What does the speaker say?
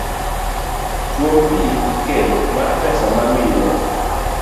Tuom pi ikel mar pesa mamiyino